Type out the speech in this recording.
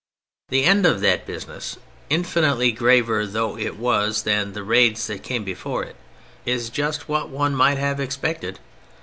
The end of that business—infinitely graver though it was than the raids that came before it—is just what one might have expected.